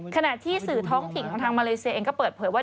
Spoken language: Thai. ขณะที่สื่อท้องถิ่นของทางมาเลเซียเองก็เปิดเผยว่า